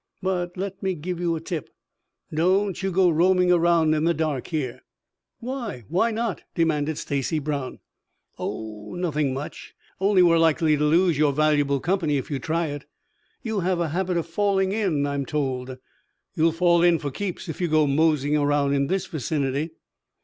But let me give you a tip: Don't you go roaming around in the dark here." "Why why not?" demanded Stacy Brown. "Oh, nothing much, only we're likely to lose your valuable company if you try it. You have a habit of falling in, I am told. You'll fall in for keeps if you go moseying about in this vicinity."